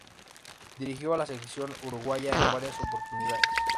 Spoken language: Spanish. Dirigió a la selección uruguaya en varias oportunidades.